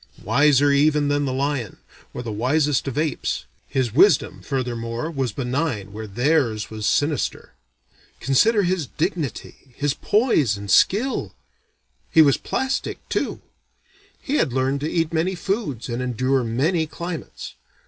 Wiser even than the lion, or the wisest of apes, his wisdom furthermore was benign where theirs was sinister. Consider his dignity, his poise and skill. He was plastic, too. He had learned to eat many foods and endure many climates.